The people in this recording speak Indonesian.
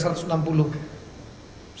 bahkan yang terakhir